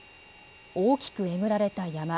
大きくえぐられた山。